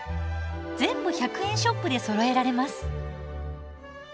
全部１００円ショップでそろえられます。